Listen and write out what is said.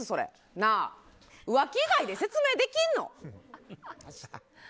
なあ、浮気以外で説明できんの？